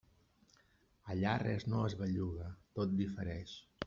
Allà res no es belluga, tot difereix.